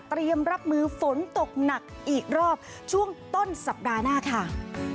รับมือฝนตกหนักอีกรอบช่วงต้นสัปดาห์หน้าค่ะ